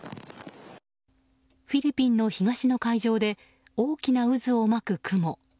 フィリピンの東の海上で大きな渦を巻く雲。